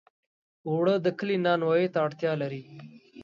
اوړه د کلي نانوایۍ ته اړتیا لري